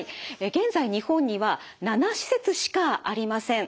現在日本には７施設しかありません。